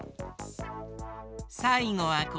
さいごはこちら。